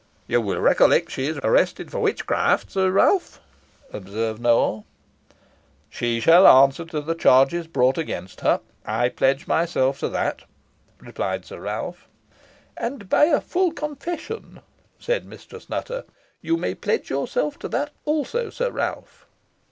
"You will recollect she is arrested for witchcraft, Sir Ralph," observed Nowell. "She shall answer to the charges brought against her. I pledge myself to that," replied Sir Ralph. "And by a full confession," said Mistress Nutter. "You may pledge yourself to that also, Sir Ralph."